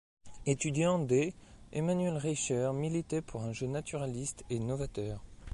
Étudiant d', Emanuel Reicher militait pour un jeu naturaliste et novateur.